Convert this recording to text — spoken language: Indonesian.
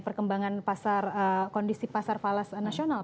perkembangan pasar kondisi pasar falas nasional